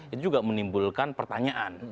itu juga menimbulkan pertanyaan